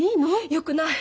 よくない。